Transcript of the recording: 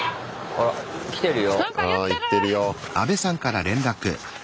あ言ってるよ。